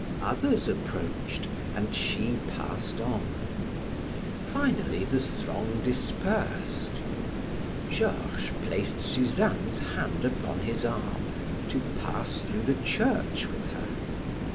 Others approached, and she passed on. Finally the throng dispersed. Georges placed Suzanne's hand upon his arm to pass through the church with her.